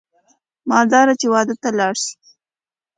مالداره چې واده ته لاړ شي